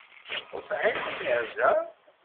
Tisεiḍ inerza?